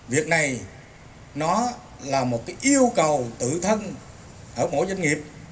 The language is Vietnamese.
việc này nó là một yêu cầu tự thân ở mỗi doanh nghiệp